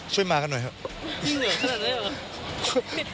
ช่วยมากันหน่อยครับ